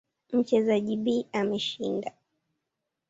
Mchezaji B ameshinda.